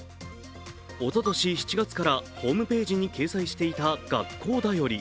おととし７月からホームページに掲載していた学校だより。